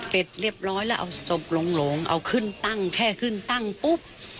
เสร็จเรียบร้อยแล้วเอาศพหลงเอาขึ้นตั้งแค่ขึ้นตั้งปุ๊บ